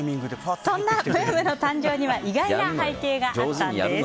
そんなブームの背景には意外な背景があったんです。